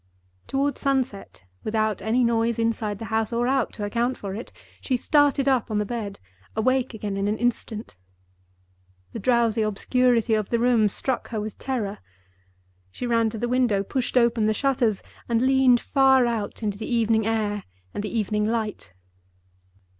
Toward sunset—without any noise inside the house or out to account for it—she started up on the bed, awake again in an instant. The drowsy obscurity of the room struck her with terror. She ran to the window, pushed open the shutters, and leaned far out into the evening air and the evening light.